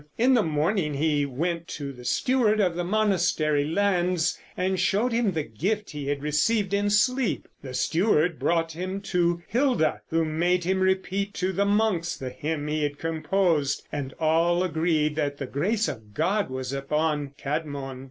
In the morning he went to the steward of the monastery lands and showed him the gift he had received in sleep. The steward brought him to Hilda, who made him repeat to the monks the hymn he had composed, and all agreed that the grace of God was upon Cædmon.